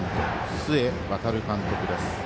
須江航監督です。